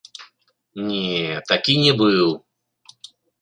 Не, такі не быў.